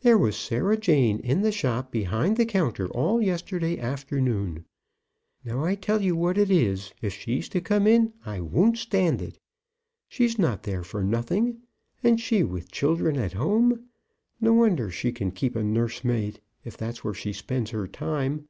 There was Sarah Jane in the shop behind the counter all yesterday afternoon. Now, I tell you what it is; if she's to come in I won't stand it. She's not there for nothing, and she with children at home. No wonder she can keep a nursemaid, if that's where she spends her time.